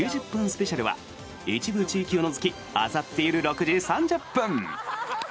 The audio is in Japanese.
スペシャルは一部地域を除きあさって夜６時３０分。